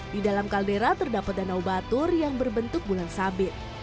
di dalam kaldera terdapat danau batur yang berbentuk bulan sabit